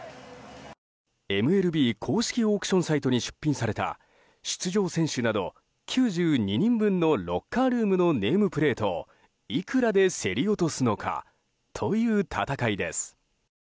ＭＬＢ公式オークションサイトに出品された出場選手など９２人分のロッカールームのネームプレートをいくらで競り落とすのかという戦いです。